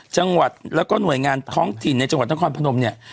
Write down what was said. จังหวัดแล้วก็หน่วยงานท้องถิ่นในจังหวัดนครพนมเนี่ย